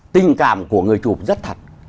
tình cảm của người chụp rất thật